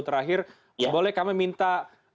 terakhir boleh kami minta